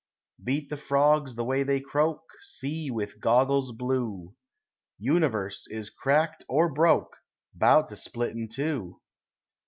Beat the frogs the way they croak; See with goggles blue Universe is cracked or broke, 'Bout to split in two.